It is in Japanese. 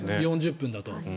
４０分だと。